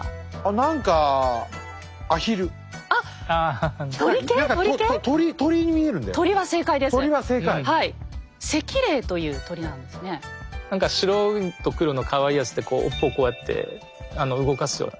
何か白と黒のかわいいやつでこう尾っぽをこうやって動かすような。